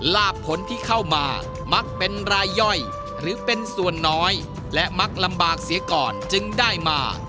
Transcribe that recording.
ลาบผลที่เข้ามามักเป็นรายย่อยหรือเป็นส่วนน้อยและมักลำบากเสียก่อนจึงได้มา